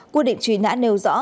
quyết định truy nã nêu rõ